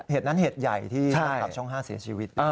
เหตุนั้นเหตุใหญ่ที่กำลังกลับช่องห้าเสียชีวิต